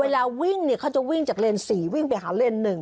เวลาวิ่งเนี่ยเขาจะวิ่งจากเลน๔วิ่งไปหาเลนส์๑